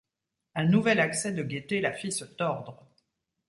Un nouvel accès de gaieté la fit se tordre.